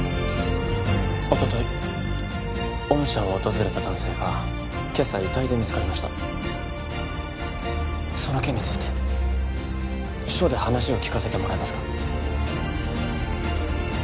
おととい御社を訪れた男性が今朝遺体で見つかりましたその件について署で話を聞かせてもらえますか？